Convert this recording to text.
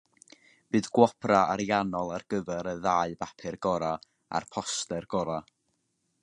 Bydd gwobrau ariannol ar gyfer y ddau bapur gorau a'r poster gorau